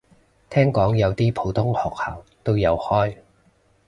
聽講有啲普通學校都有開